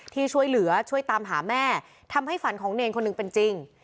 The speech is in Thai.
ที่ช่วยเหลือช่วยตามหาแม่ทำให้ฝันของเนรคนหนึ่งเป็นจริง